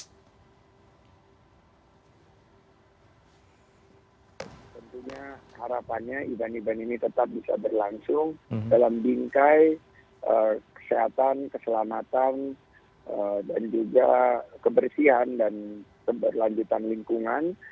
tentunya harapannya event event ini tetap bisa berlangsung dalam bingkai kesehatan keselamatan dan juga kebersihan dan keberlanjutan lingkungan